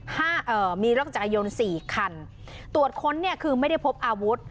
เอ่อมีรถจักรยานยนต์สี่คันตรวจค้นเนี่ยคือไม่ได้พบอาวุธ